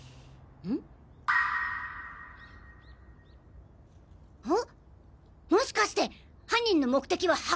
うん？あっ。